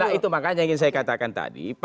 nah itu makanya ingin saya katakan tadi